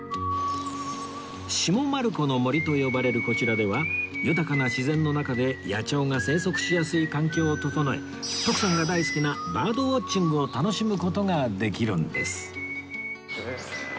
「下丸子の森」と呼ばれるこちらでは豊かな自然の中で野鳥が生息しやすい環境を整え徳さんが大好きなバードウォッチングを楽しむ事ができるんです